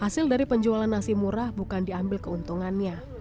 hasil dari penjualan nasi murah bukan diambil keuntungannya